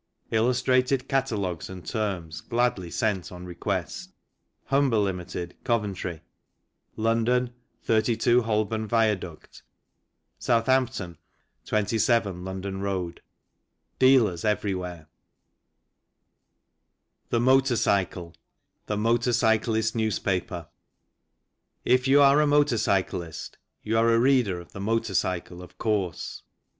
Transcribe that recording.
Illustrated Catalogues and Terms gladly sent on request HUMBER LTD. COVENTRY LONDON : 32 Holborn Viaduct SOUTHAMPTON: 27 London Road DEALERS EVERYWHERE 1466H I The Motor Cyclist's Newspaper If you are a motor cyclist, you are a reader of " The Motor Cycle," of course.